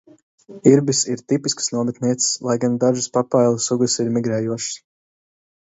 Irbes ir tipiskas nometnieces, lai gan dažas paipalu sugas ir migrējošas.